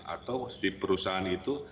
atau si perusahaan itu